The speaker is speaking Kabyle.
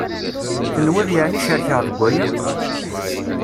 Tenwiḍ yeεni cerkeɣ deg aya?